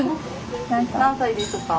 何歳ですか？